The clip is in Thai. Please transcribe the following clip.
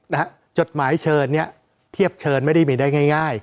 จดหมายเชิญเนี่ยเทียบเชิญไม่ได้มีได้ง่ายง่าย